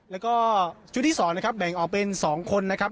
แล้วก็ชุดที่๒นะครับแบ่งออกเป็น๒คนนะครับ